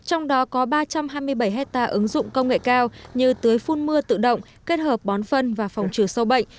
trong đó có ba trăm hai mươi bảy hectare ứng dụng công nghệ cao như tưới phun mưa tự động kết hợp bón phân và phòng trừ sâu bệnh